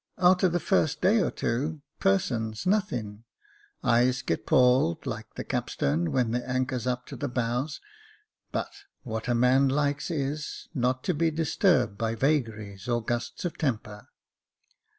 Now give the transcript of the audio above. A'ter the first day or two, person's nothing — eyes get palled, like the capstern when the anchor's up to the bows ; but, what a man likes is, not to be disturbed by vagaries, or gusts of temper.